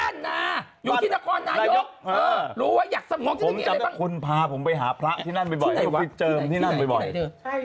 นึกออกว่าอยากสมองจะได้มีภาพในบ้านจำได้ไหม